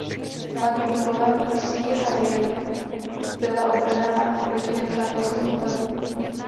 Hlavním úkolem Sea Harrierů byla obrana proti nepřátelským letadlům.